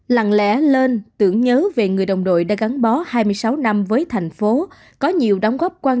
lặng lẽ lên tưởng nhớ về người đồng đội đã gắn bó hai mươi sáu năm với thành phố có nhiều đóng góp quan